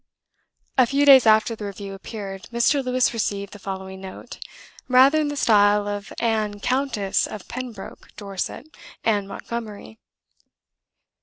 A few days after the review appeared, Mr. Lewes received the following note, rather in the style of Anne Countess of Pembroke, Dorset, and Montgomery.